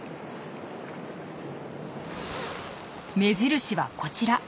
目印はこちら。